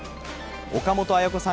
岡本綾子さん